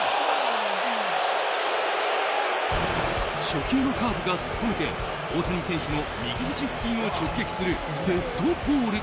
初球のカーブがすっぽ抜け大谷選手の右ひじ付近を直撃するデッドボール。